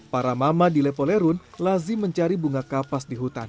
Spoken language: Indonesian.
para mama di lepolerun lazim mencari bunga kapas di hutan